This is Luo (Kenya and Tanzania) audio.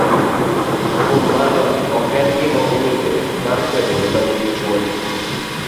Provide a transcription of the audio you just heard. Kuom mano ok en gima owinjore mar kwedo joma nigi tuoni.